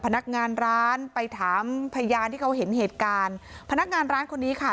พนักงานร้านไปถามพยานที่เขาเห็นเหตุการณ์พนักงานร้านคนนี้ค่ะ